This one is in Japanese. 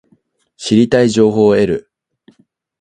知りたい情報を得る